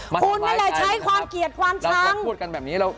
ให้กับเด็กแล้วยาวชนมานาน